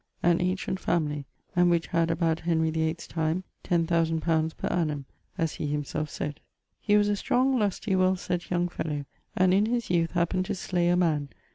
an ancient familie, and which had about Henry 8's time 10,000 li. per annum (as he himselfe sayd). He was a strong, lusty, well sett young fellow; and in his youth happened to slay a man[XXVI.